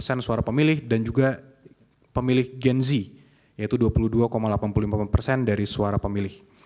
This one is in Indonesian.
di mana ada dua enam suara pemilih dan juga pemilih gen z yaitu dua puluh dua delapan puluh lima dari suara pemilih